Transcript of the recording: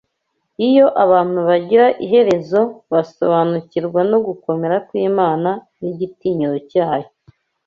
iyo abantu bagira iherezo basobanukirwa no gukomera kw’Imana n’igitinyiro cyayo